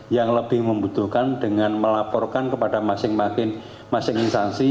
yang lebih membutuhkan dengan melaporkan kepada masing masing instansi